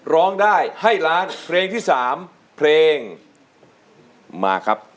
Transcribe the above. ร้องได้ให้ล้านเพลงที่๓เพลงมาครับ